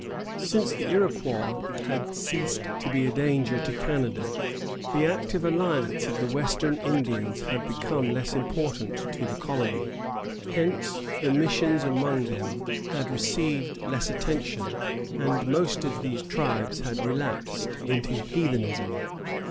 Since the Iroquois had ceased to be a danger to Canada, the active alliance of the Western Indians had become less important to the colony. Hence the missions among them had received less attention, and most of these tribes had relapsed into heathenism.